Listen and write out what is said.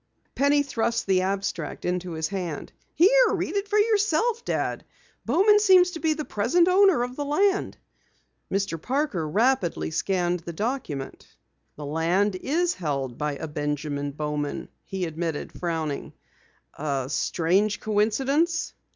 Penny thrust the abstract into his hand. "Here, read it for yourself, Dad. Bowman seems to be the present owner of the land." Mr. Parker rapidly scanned the document. "The land is held by a Benjamin Bowman," he admitted, frowning. "A strange coincidence."